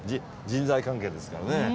人材関係ですからね。